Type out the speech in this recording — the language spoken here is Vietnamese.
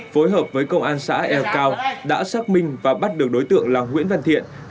phối hợp với công an xã ea cao đã xác minh và bắt được đối tượng là nguyễn văn thiện